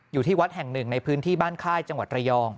อยู่ที่วัดแห่งหนึ่งในพื้นที่บ้านค่ายจังหวัดระยอง